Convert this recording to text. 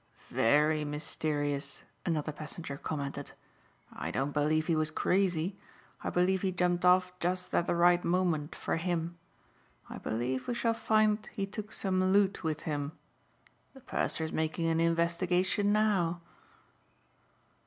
"Very mysterious," another passenger commented. "I don't believe he was crazy. I believe he jumped off just at the right moment for him. I believe we shall find he took some loot with him. The purser is making an investigation now."